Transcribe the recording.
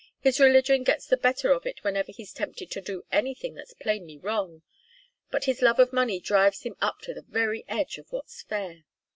His religion gets the better of it whenever he's tempted to do anything that's plainly wrong. But his love of money drives him up to the very edge of what's fair.